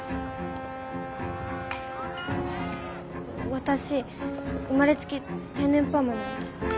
私生まれつき天然パーマなんです。